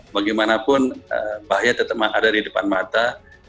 bagaimanapun bahaya tetap ada di depan mata